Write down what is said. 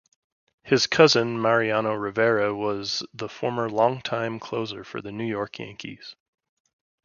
His cousin, Mariano Rivera, was the former long-time closer for the New York Yankees.